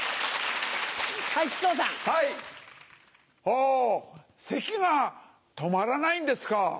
あせきが止まらないんですか。